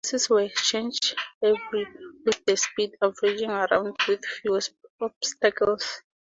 The horses were exchanged every with the speed averaging around with few obstacles.